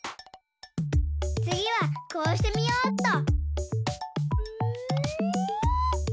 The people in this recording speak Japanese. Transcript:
つぎはこうしてみようっと。